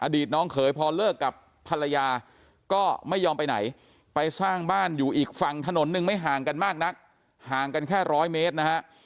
น้องเขยพอเลิกกับภรรยาก็ไม่ยอมไปไหนไปสร้างบ้านอยู่อีกฝั่งถนนหนึ่งไม่ห่างกันมากนักห่างกันแค่ร้อยเมตรนะฮะ